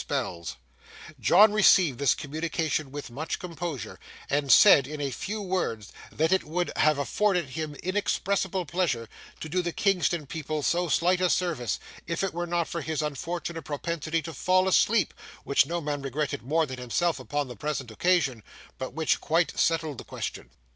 [Picture: Will Marks reading the News concerning Witches] John received this communication with much composure, and said in a few words, that it would have afforded him inexpressible pleasure to do the Kingston people so slight a service, if it were not for his unfortunate propensity to fall asleep, which no man regretted more than himself upon the present occasion, but which quite settled the question.